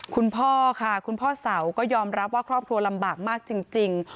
คุณพ่อค่ะคุณพ่อเสาก็ยอมรับว่าครอบครัวลำบากมากจริง